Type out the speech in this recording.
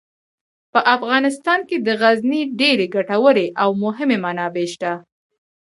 په افغانستان کې د غزني ډیرې ګټورې او مهمې منابع شته.